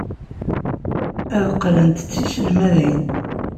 Ad qqlent d tiselmadin.